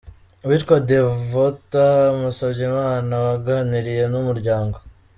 Uwitwa Devotha Musabyimana waganiriye n’ Umuryango.